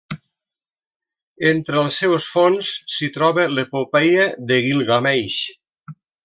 Entre els seus fons s'hi troba l'Epopeia de Guilgameix.